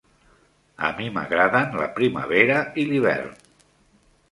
A mi m'agraden la primavera i l'hivern.